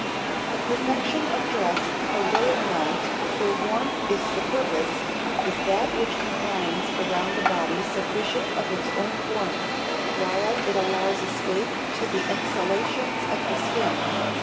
The perfection of dress, for day or night, where warmth is the purpose, is that which confines around the body sufficient of its own warmth, while it allows escape to the exhalations of the skin.